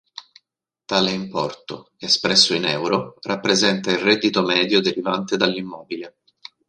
Tale importo, espresso in euro, rappresenta il reddito medio derivante dall'immobile.